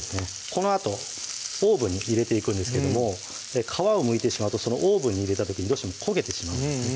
このあとオーブンに入れていくんですけども皮をむいてしまうとオーブンに入れた時にどうしても焦げてしまうんですね